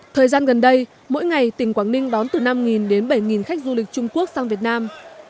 thời gian gần đây mỗi ngày tỉnh quảng ninh đón từ năm đến bảy khách du lịch trung quốc sang việt nam